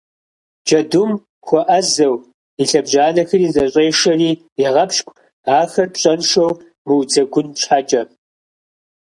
Джэдум хуэӏэзэу и лъэбжьанэхэр зэщӏешэри егъэпщкӏу, ахэр пщӏэншэу мыудзэгун щхьэкӏэ.